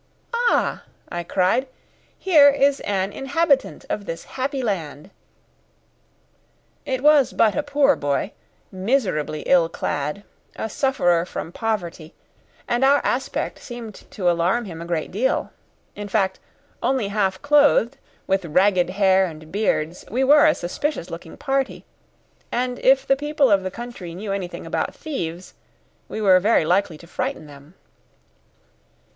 "Ah!" I cried, "here is an inhabitant of this happy land!" It was but a poor boy, miserably ill clad, a sufferer from poverty, and our aspect seemed to alarm him a great deal; in fact, only half clothed, with ragged hair and beards, we were a suspicious looking party; and if the people of the country knew anything about thieves, we were very likely to frighten them.